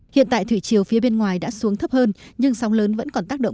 hiện tại thủy chiều phía bên ngoài đã xuống thấp hơn nhưng sóng lớn vẫn còn tác động